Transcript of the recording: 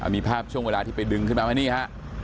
มีภาพช่วงเวลาที่ไปดึงขึ้นมาไหมนี่ฮะ